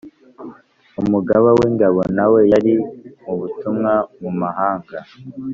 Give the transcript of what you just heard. umugaba w'ingabo nawe yari mu butumwa mu mahanga